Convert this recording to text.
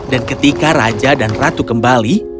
dan ketika raja dan ratu kembali